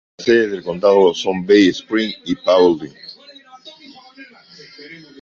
Las sedes del condado son Bay Springs y Paulding.